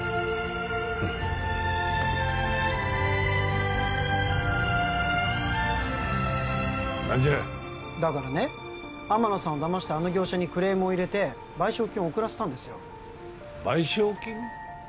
うん何じゃだからね天野さんを騙したあの業者にクレームを入れて賠償金送らせたんですよ賠償金？